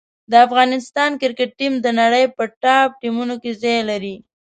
د افغانستان کرکټ ټیم د نړۍ په ټاپ ټیمونو کې ځای لري.